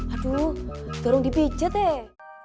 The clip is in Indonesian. aduh dorong dibijat deh